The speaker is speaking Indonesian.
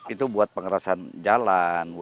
itu buat pengerasan jalan